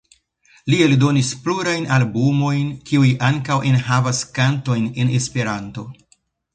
Li eldonis plurajn albumojn kiuj ankaŭ enhavas kantojn en Esperanto.